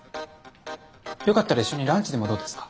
よかったら一緒にランチでもどうですか？